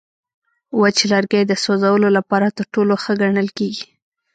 وچ لرګی د سوځولو لپاره تر ټولو ښه ګڼل کېږي.